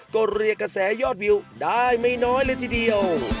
ก็เรียกกระแสยอดวิวได้ไม่น้อยเลยทีเดียว